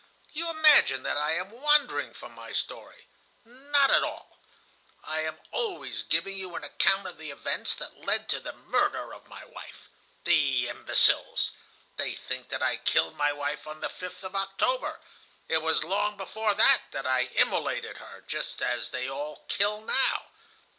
"You imagine that I am wandering from my story. Not at all. I am always giving you an account of the events that led to the murder of my wife. The imbeciles! They think that I killed my wife on the 5th of October. It was long before that that I immolated her, just as they all kill now.